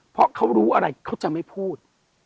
เพราะเขารู้อะไรเขาจะไม่พูด